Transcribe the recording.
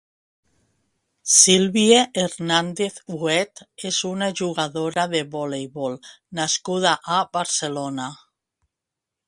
Sylvie Hernández Huet és una jugadora de voleibol nascuda a Barcelona.